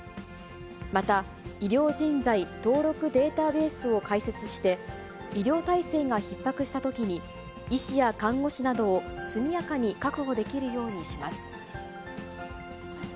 また医療人材登録データベースを開設して、医療体制がひっ迫したときに、医師や看護師などを速やかに確保できるようにします。